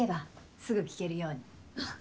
すぐ聴けるように。